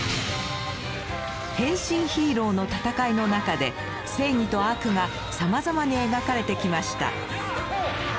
変身ヒーローの戦いの中で正義と悪がさまざまに描かれてきました。